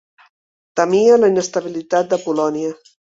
Temia la inestabilitat de Polònia.